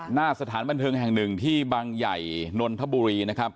หน้าสถานบันเทิงแห่งหนึ่งที่บางใหญ่นนทบุรีนะครับ